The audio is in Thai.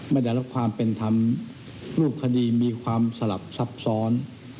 ไม่ได้รับความเป็นธรรมรูปคดีมีความสลับซับซ้อน